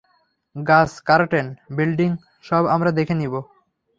গাছ, garden, building সব আমরা দেখে নিব।